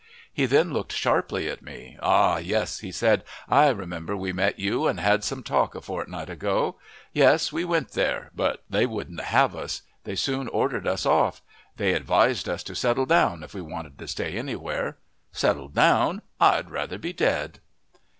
He then looked sharply at me. "Ah, yes," he said, "I remember we met you and had some talk a fortnight ago. Yes, we went there, but they wouldn't have us. They soon ordered us off. They advised us to settle down if we wanted to stay anywhere. Settle down! I'd rather be dead!"